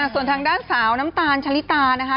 ส่วนทางด้านสาวน้ำตาลชะลิตานะคะ